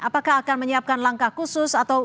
apakah akan menyiapkan langkah khusus atau